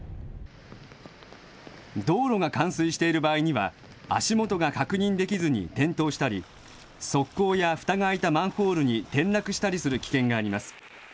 道路が冠水している場合には、足元が確認できずに転倒したり、側溝やふたが開いたマンホールに転落したりする危険があります。